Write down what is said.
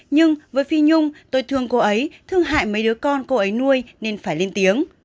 nhưng với phi nhung tôi thường cô ấy thương hại mấy đứa con cô ấy nuôi nên phải lên tiếng